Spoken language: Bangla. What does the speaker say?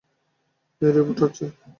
এটা রিবুট হচ্ছে।